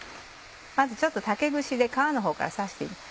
まずちょっと竹串で皮のほうから刺して。